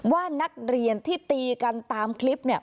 ว่านักเรียนที่ตีกันตามคลิปเนี่ย